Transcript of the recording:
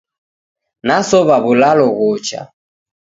Nasow'a w'ulalo ghocha.